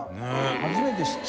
初めて知った。